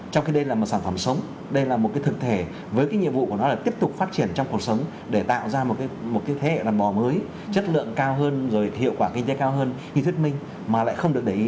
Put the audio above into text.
trong khi đây là một sản phẩm sống đây là một thực thể với nhiệm vụ của nó là tiếp tục phát triển trong cuộc sống để tạo ra một thế hệ làm bò mới chất lượng cao hơn hiệu quả kinh doanh cao hơn hy thuyết minh mà lại không được để ý